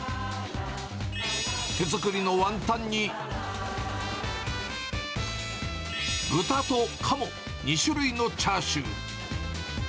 手作りのワンタンに、豚とカモ、２種類のチャーシュー。